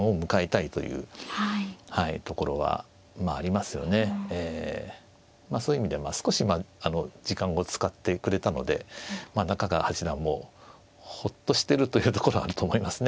まあそういう意味でまあ少し時間を使ってくれたので中川八段もほっとしてるというところはあると思いますね。